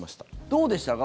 どうでしたか？